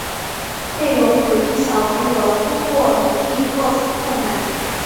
内容鼓励小朋友通过努力克服困难。